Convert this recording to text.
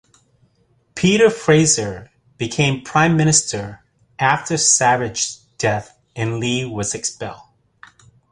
Peter Fraser became Prime Minister after Savage's death and Lee was expelled.